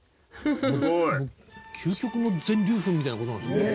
すごい！究極の全粒粉みたいな事なんでしょうね。